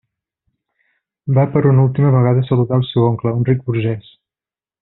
Va per una última vegada a saludar el seu oncle, un ric burgès.